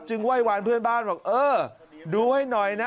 ไหว้วานเพื่อนบ้านบอกเออดูให้หน่อยนะ